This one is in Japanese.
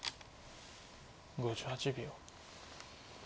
５８秒。